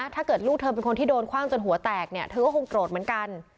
ถ้าเกิดลูกเธอเป็นคนที่โดนคว่างจนหัวแตกเนี่ยเธอก็คงโกรธเหมือนกัน